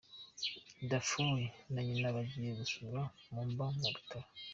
Defoe na nyina bagiye gusura Muamba mu bitaro.